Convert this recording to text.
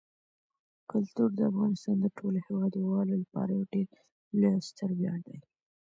کلتور د افغانستان د ټولو هیوادوالو لپاره یو ډېر لوی او ستر ویاړ دی.